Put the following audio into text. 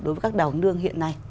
đối với các đào nương hiện nay